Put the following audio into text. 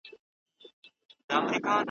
پر زړه مي اوري د کابل واوري ,